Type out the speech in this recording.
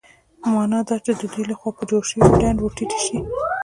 مانا دا چې د دوی له خوا په جوړ شوي ډنډ ورټيټې شي.